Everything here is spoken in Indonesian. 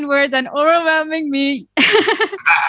dan membuat saya terlalu terkejut